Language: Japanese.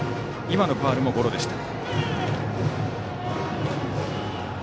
今のファウルもゴロでした。